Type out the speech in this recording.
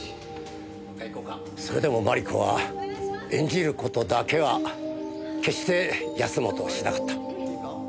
それでも麻理子は演じる事だけは決して休もうとはしなかった。